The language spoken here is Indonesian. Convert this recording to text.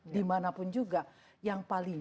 dimanapun juga yang paling